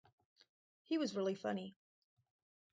He was really funny.